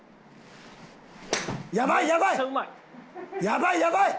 やばいやばい！